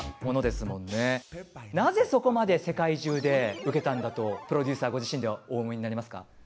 なぜそこまで世界中でウケたんだとプロデューサーご自身ではお思いになりますか？